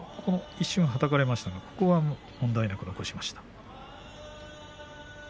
一瞬はたかれましたが問題なく残しました。